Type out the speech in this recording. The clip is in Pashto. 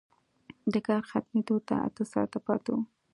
د کار ختمېدو ته اته ساعته پاتې وو